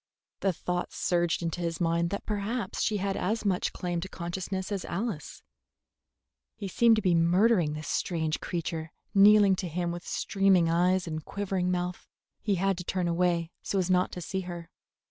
The thought surged into his mind that perhaps she had as much claim to consciousness as Alice; he seemed to be murdering this strange creature kneeling to him with streaming eyes and quivering mouth. He had to turn away so as not to see her.